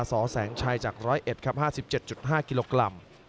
สอแสงชัยจากร้อยเอ็ดครับ๕๗๕กิโลกรัม